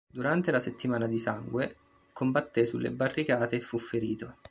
Durante la "Settimana di sangue" combatté sulle barricate e fu ferito.